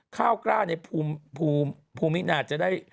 ข้าวกล้าในภูมิน่าจะได้